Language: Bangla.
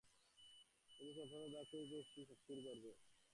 কিন্তু চঞ্চলতা জয় করে খুশি হয়েছি নিজের শক্তির গর্বে।